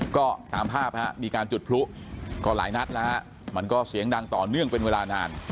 ก็ตามภาพฮะมีการจุดพลุก็หลายนัดแล้วฮะมันก็เสียงดังต่อเนื่องเป็นเวลานาน